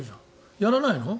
やらないの？